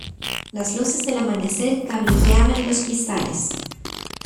las luces del amanecer cabrilleaban en los cristales.